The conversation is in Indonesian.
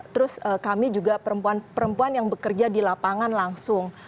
terus kami juga perempuan perempuan yang bekerja di lapangan langsung